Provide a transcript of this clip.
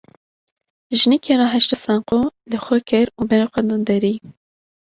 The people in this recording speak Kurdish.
Jinikê rahişte saqo, li xwe kir û berê xwe da derî.